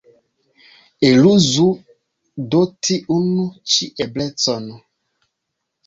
Eluzu do tiun ĉi eblecon.